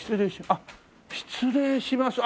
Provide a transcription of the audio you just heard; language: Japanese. あっ失礼します。